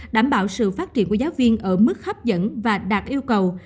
đảm bảo sự phát triển của giáo viên ở mức hấp dẫn và đạt yêu cầu